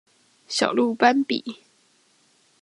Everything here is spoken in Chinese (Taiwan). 小鹿斑比